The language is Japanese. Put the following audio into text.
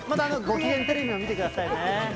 きげんテレビも見てくださいね。